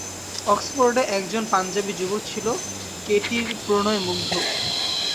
অক্সফোর্ডে একজন পাঞ্জাবি যুবক ছিল কেটির প্রণয়মুগ্ধ।